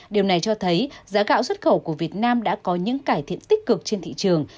điều này cho thấy giá gạo xuất khẩu của việt nam đã có những cải thiện tích cực trên thị trường